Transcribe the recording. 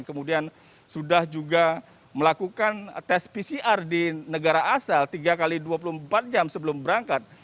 kemudian sudah juga melakukan tes pcr di negara asal tiga x dua puluh empat jam sebelum berangkat